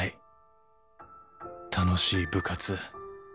楽しい部活